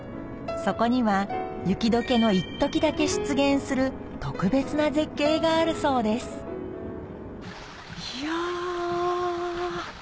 そこには雪解けのいっときだけ出現する特別な絶景があるそうですいや。